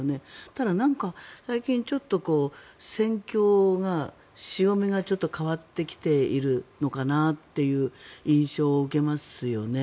ただ、なんか最近ちょっと戦況が潮目が変わってきているのかなという印象を受けますよね。